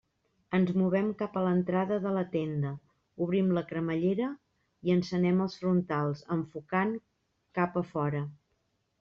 Ens movem cap a l'entrada de la tenda, obrim la cremallera i encenem els frontals, enfocant cap a fora.